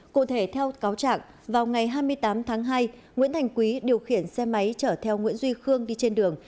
cụ thể theo cáo trạng vào ngày hai mươi tám tháng hai nguyễn thành quý điều khiển xe máy chở theo nguyễn duy khương đi trên đường